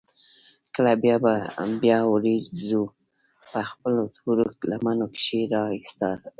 کله به بيا وريځو پۀ خپلو تورو لمنو کښې را ايساره کړه ـ